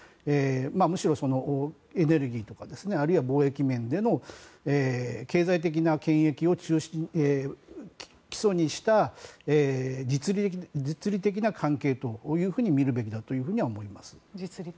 むしろ、エネルギーとか貿易面での経済的な権益を基礎にした実利的な関係というふうに見るべきだとは思います。